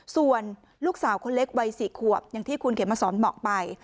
ส่วนลูกสาวคนเล็กวัย๔ขวบอย่างที่คุณเขมสอนบอกไป